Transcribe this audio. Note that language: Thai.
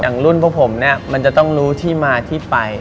รุ่นพวกผมเนี่ยมันจะต้องรู้ที่มาที่ไป